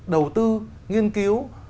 đầu tư nghiên cứu